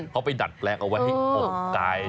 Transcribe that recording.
เขาไปดัดแปลงเอาไว้ที่อกไก่